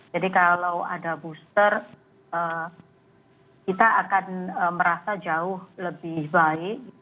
jadi kalau ada booster kita akan merasa jauh lebih baik